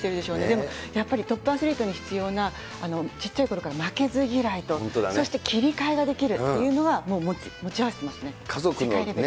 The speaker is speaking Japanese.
でも、やっぱりトップアスリートに必要な、ちっちゃいころから負けず嫌いと、そして切り替えができるっていうのがもう持ち合わせてますね、世界レベル。